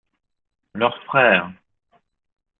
Leur frère.